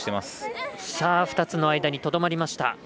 ２つの間にとどまりました。